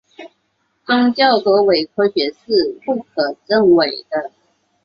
宗教和伪科学是不可证伪的。